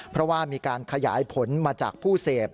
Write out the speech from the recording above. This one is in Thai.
เพราะว่ามีการขยายผลมาจากผู้เสพ